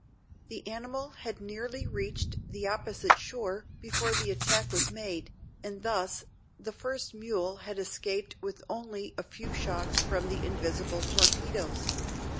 The animal had nearly reached the opposite shore before the attack was made, and thus, the first mule had escaped with only a few shocks from the invisible torpedoes.